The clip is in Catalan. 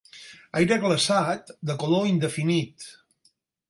Aire glaçat de color indefinit.